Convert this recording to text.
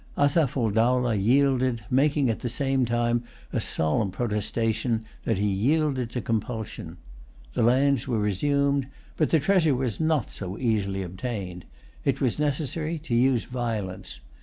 Asaph ul Dowlah yielded, making at the same time a solemn protestation that he yielded to compulsion. The lands were resumed; but the treasure was not so easily obtained. It was necessary to use violence.